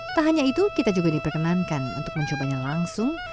tak hanya itu kita juga diperkenankan untuk mencobanya langsung